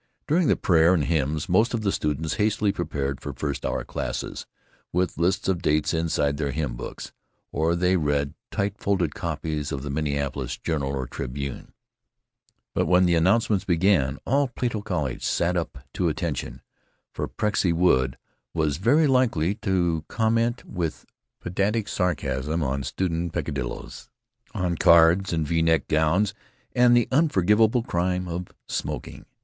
During the prayer and hymns most of the students hastily prepared for first hour classes, with lists of dates inside their hymn books; or they read tight folded copies of the Minneapolis Journal or Tribune. But when the announcements began all Plato College sat up to attention, for Prexy Wood was very likely to comment with pedantic sarcasm on student peccadillos, on cards and V neck gowns and the unforgivable crime of smoking.